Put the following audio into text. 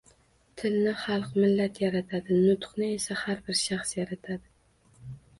Tilni xalq, millat yaratadi, nutqni esa har bir shaxs yaratadi